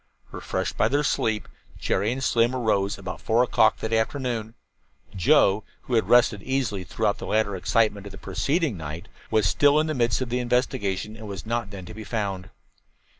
Refreshed by their sleep, Jerry and Slim arose about four o'clock that afternoon. Joe, who had rested easily throughout the later excitement of the preceding night, was still in the midst of the investigation and was not then to be found.